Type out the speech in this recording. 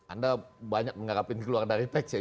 anda banyak mengharapin keluar dari teks ya